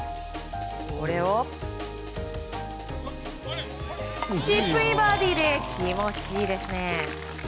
これをチップインバーディーで気持ちいいですね。